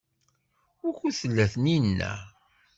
Wukud tella Taninna?